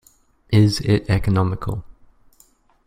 Is it economical?